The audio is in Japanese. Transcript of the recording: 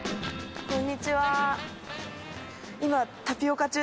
こんにちは。